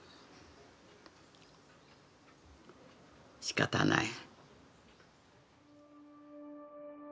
しかたない。